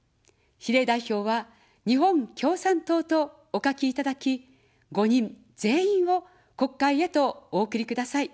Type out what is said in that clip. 比例代表は日本共産党とお書きいただき、５人全員を国会へとお送りください。